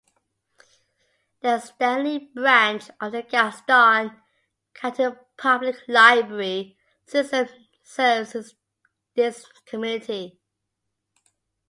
The Stanley Branch of the Gaston County Public Library system serves this community.